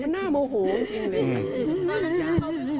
มันหน้ามู้หูจริงเลย